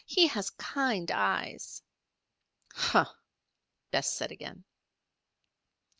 "He has kind eyes." "Humph!" Bess said again.